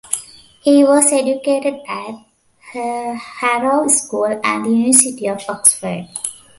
He was educated at Harrow School and the University of Oxford.